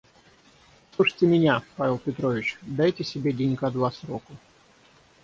Послушайте меня, Павел Петрович, дайте себе денька два сроку.